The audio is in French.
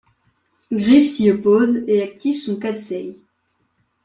Gryf s'y oppose et active son Katseye.